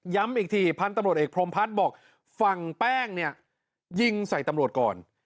อีกทีพันธุ์ตำรวจเอกพรมพัฒน์บอกฝั่งแป้งเนี่ยยิงใส่ตำรวจก่อน